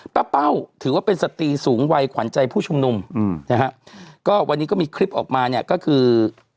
เป้าถือว่าเป็นสตรีสูงวัยขวัญใจผู้ชุมนุมอืมนะฮะก็วันนี้ก็มีคลิปออกมาเนี่ยก็คือ